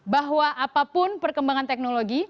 bahwa apapun perkembangan teknologi